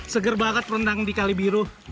seger banget berenang di kali biru